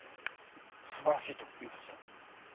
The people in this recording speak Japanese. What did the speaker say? すばらしいと思いました。